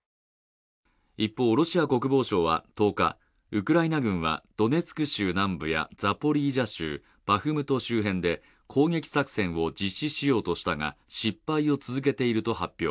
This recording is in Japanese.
一方、ロシア国防省は１０日、ウクライナ軍はドネツク州南部やザポリージャ州、バフムト周辺で攻撃作戦を実施しようとしたが失敗を続けていると発表。